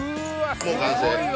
もう完成。